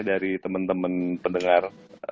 dari temen temen pendengar